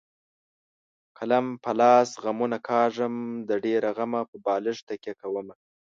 قلم په لاس غمونه کاږم د ډېره غمه په بالښت تکیه کومه.